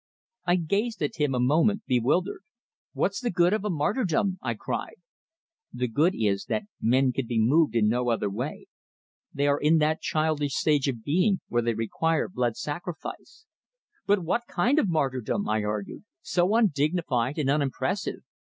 I gazed at him a moment, bewildered. "What's the good of a martyrdom?" I cried. "The good is, that men can be moved in no other way; they are in that childish stage of being, where they require blood sacrifice." "But what kind of martyrdom!" I argued. "So undignified and unimpressive!